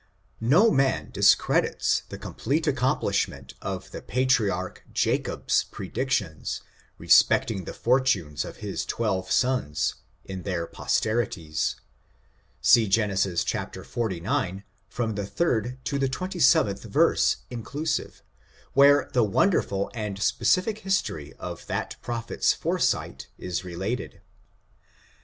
No man discredits the complete accomplishment of the patriarch Jacob's predictions respecting the for tunes of his twelve sons, in their posterities. See Gen. xlix, from the 3d to the 27th verse inclusive, where the wonderful and specific history of that pro phet's foresight is related.